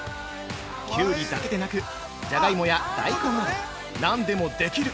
きゅうりだけでなくジャガイモや大根など何でもできる！